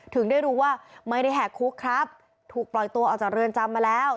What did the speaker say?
ถึงได้รู้ว่าไม่ได้แหกคุกครับถูกปล่อยตัวออกจากเรือนจำมาแล้ว